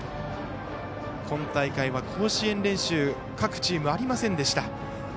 今大会は甲子園練習各チームありませんでした。